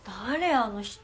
あの人。